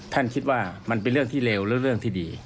คิดว่ามันเป็นเรื่องที่เลวและเรื่องที่ดี